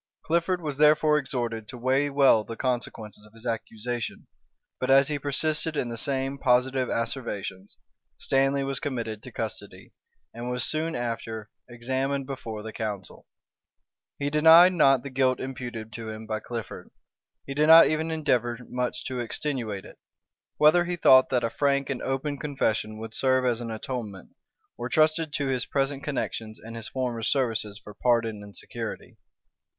Clifford was therefore exhorted to weigh well the consequences of his accusation; but as he persisted in the same positive asseverations, Stanley was committed to custody, and was soon after examined before the council.[*] He denied not the guilt imputed to him by Clifford; he did not even endeavor much to extenuate it; whether he thought that a frank and open confession would serve as an atonement, or trusted to his present connections and his former services for pardon and security.